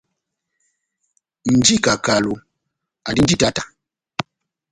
Nja wa ikakalo, andi nja wa itáta.